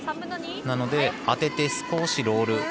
なので、当てて少しロール。